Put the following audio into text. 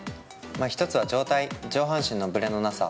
１つは上半身のぶれのなさ。